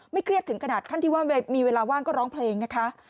เครียดถึงขนาดขั้นที่ว่ามีเวลาว่างก็ร้องเพลงนะคะ